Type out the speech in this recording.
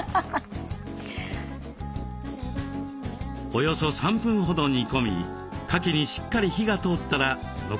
およそ３分ほど煮込みかきにしっかり火が通ったら残りの卵を加えます。